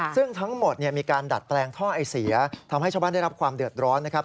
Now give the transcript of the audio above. ซึ่งทั้งหมดมีการดัดแปลงท่อไอเสียทำให้ชาวบ้านได้รับความเดือดร้อนนะครับ